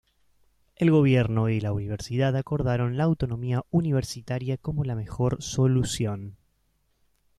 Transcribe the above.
El gobierno y la universidad acordaron la autonomía universitaria como la mejor solución.